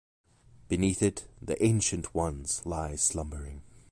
Beneath it the "Ancient Ones" lie slumbering.